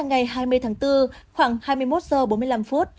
ngày hai mươi tháng bốn khoảng hai mươi một giờ bốn mươi năm phút